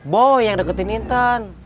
boy yang deketin hintan